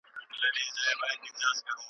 انصاف تللی دی له ښاره د ځنګله قانون چلیږي.